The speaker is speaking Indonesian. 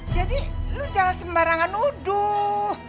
jadi lo jangan sembarangan nuduh